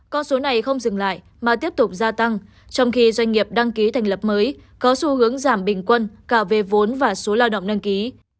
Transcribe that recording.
con số này không dừng lại mà tiếp tục gia tăng trong khi doanh nghiệp đăng ký thành lập mới có xu hướng giảm bình quân cả về vốn và số lao động đăng ký